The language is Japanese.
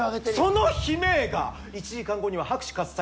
その悲鳴が１時間後には拍手喝采